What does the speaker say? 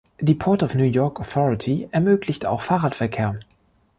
Die Port of New York Authority ermöglicht auch Fahrradverkehr.